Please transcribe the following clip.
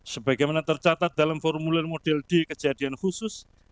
sebagaimana tercatat dalam formulir model d kejadian khusus